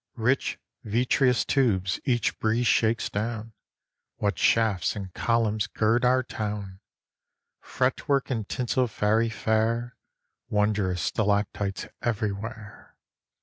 Rich vitreous tubes each breeze shakes down, What shafts and columns gird our town! Fretwork and tinsel fairy fair, Wondrous stalactites everywhere.